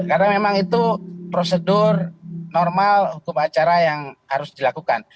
karena memang itu prosedur normal hukum acara yang harus dilakukan